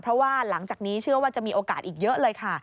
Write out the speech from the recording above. เพราะว่าหลังจากนี้เชื่อว่าจะมีโอกาสอีกเยอะเลยค่ะ